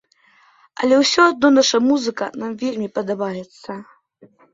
Але ўсё адно наша музыка нам вельмі падабаецца.